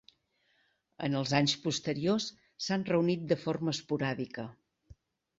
En els anys posteriors s'han reunit de forma esporàdica.